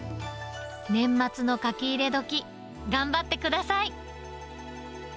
年末の書き入れ時、頑張ってください。